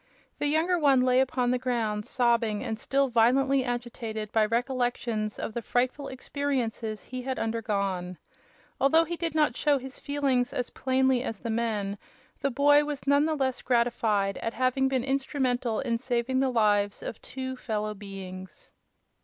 The younger one lay upon the ground sobbing and still violently agitated by recollections of the frightful experiences he had undergone. Although he did not show his feelings as plainly as the men, the boy was none the less gratified at having been instrumental in saving the lives of two fellow beings.